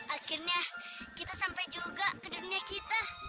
akhirnya kita sampai juga ke dunia kita